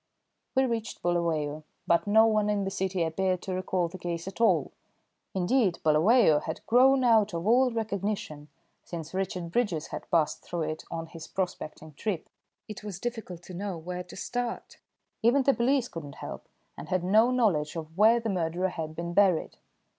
We reached Bulawayo, but no one in the city appeared to recall the case at all; indeed, Bulawayo had grown out of all recognition since Richard Bridges had passed through it on his prospecting trip. It was difficult to know where to start. Even the police could not help, and had no knowledge of where the murderer had been buried.